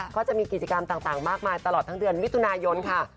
ก็จะมีกิจกรรมต่างมากมายตลอดทั้งเดือนมิถุนายนค่ะ